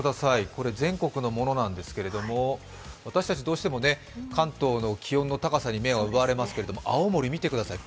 これ全国のものなんですけれども私たちどうしても関東の気温の高さに目を奪われますけれども、青森見てください。